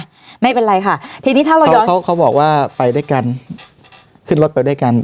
ไม่เป็นไรค่ะทีนี้ถ้าเราย้อนเขาเขาบอกว่าไปด้วยกันขึ้นรถไปด้วยกัน